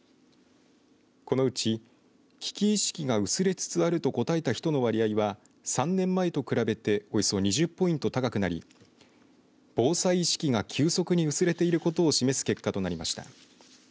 このうち危機意識が薄れつつあると答えた人の割合は３年前と比べておよそ２０ポイント高くなり防災意識が急速に薄れていることを示す結果となりました。